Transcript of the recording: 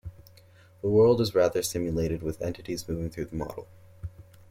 The world is rather simulated with entities moving through the model.